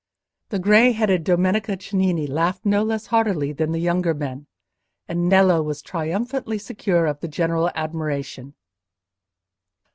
The grey headed Domenico Cennini laughed no less heartily than the younger men, and Nello was triumphantly secure of the general admiration.